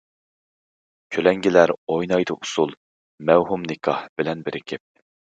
كۆلەڭگىلەر ئوينايدۇ ئۇسۇل، مەۋھۇم نىكاھ بىلەن بىرىكىپ.